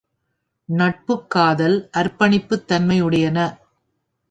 நட்பு காதல் அர்ப்பணிப்புத் தன்மையுடையன.